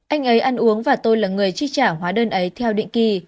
anh ấy ăn uống và tôi là người chi trả hóa đơn ấy theo định kỳ